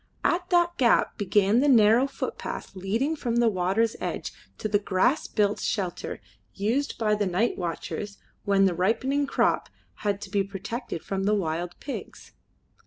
At that gap began the narrow footpath leading from the water's edge to the grass built shelter used by the night watchers when the ripening crop had to be protected from the wild pigs.